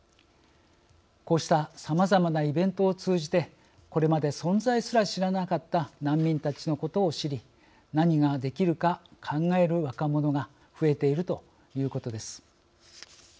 こうしたさまざまなイベントを通じてこれまで存在すら知らなかった難民たちのことを知り何ができるか考える若者が増えているということです。